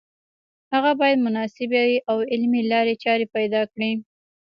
هغه باید مناسبې او عملي لارې چارې پیدا کړي